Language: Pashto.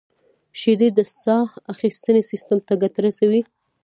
• شیدې د ساه اخیستنې سیستم ته ګټه رسوي.